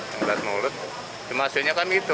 cuma hasilnya kan gitu